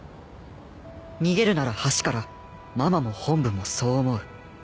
「『逃げるなら橋から』ママも本部もそう思う」